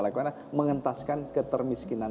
lakukan adalah mengentaskan ketermiskinan